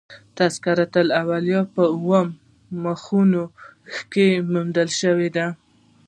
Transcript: تذکرة الاولیاء" په اوو مخونو کښي موندل سوى دئ.